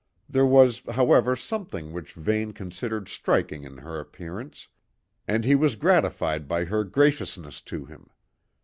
There was, however, something which Vane considered striking in her appearance, and he was gratified by her graciousness to him.